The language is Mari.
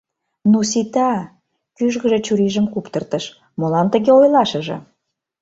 — Ну, сита! — кӱжгыжӧ чурийжым куптыртыш, — молан тыге ойлашыже?